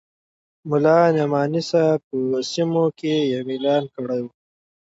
ملا نعماني صاحب په سیمو کې یو اعلان کړی وو.